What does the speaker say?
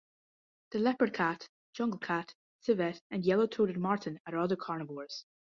The leopard cat, jungle cat, civet and yellow-throated marten are other carnivores.